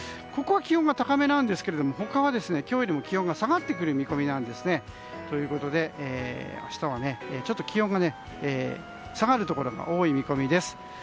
ここは気温が高めなんですが他は今日よりも気温が下がってくる見込みということで明日は気温が下がるところが多い見込みです。